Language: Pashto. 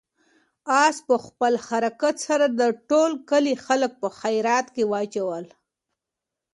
آس په خپل حرکت سره د ټول کلي خلک په حیرت کې واچول.